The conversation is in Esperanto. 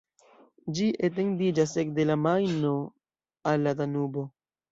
Ĝi etendiĝas ekde la Majno al la Danubo.